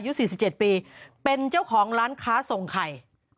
๔๗ปีเป็นเจ้าของร้านค้าส่งไข่